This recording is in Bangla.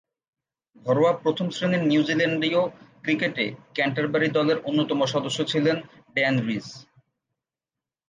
ঘরোয়া প্রথম-শ্রেণীর নিউজিল্যান্ডীয় ক্রিকেটে ক্যান্টারবারি দলের অন্যতম সদস্য ছিলেন ড্যান রিস।